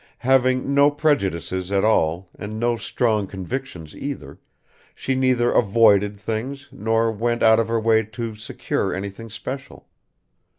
Having no prejudices at all, and no strong convictions either, she neither avoided things nor went out of her way to secure anything special.